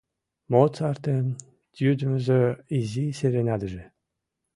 — Моцартын «Йӱдымсӧ изи серенадыже».